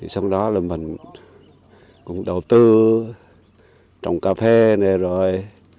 sau đó là mình cũng đầu tư trồng cà phê này rồi